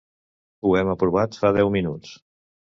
Ho hem aprovat fa deu minuts!